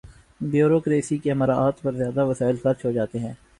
Bureaucracy کی مراعات پر زیادہ وسائل خرچ ہوتے ہیں۔